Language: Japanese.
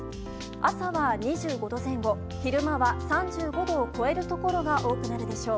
朝は２５度前後昼間は３５度を超えるところが多くなるでしょう。